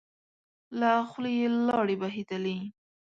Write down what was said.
له خولی يې لاړې بهېدلې.